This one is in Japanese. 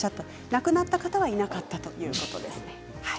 亡くなった方がいなかったということです。